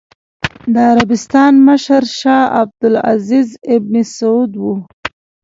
د عربستان مشر شاه عبد العزېز ابن سعود و.